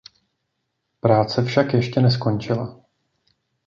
Práce však ještě neskončila.